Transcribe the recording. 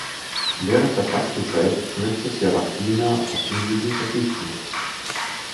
Während der Fastenzeit möchte Serafina aufs Niesen verzichten.